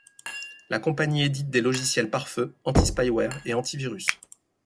La compagnie édite des logiciels pare-feu, anti-spywares, et antivirus.